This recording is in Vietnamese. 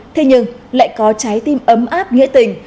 thế nhưng lại có trái tim ấm áp nghĩa tình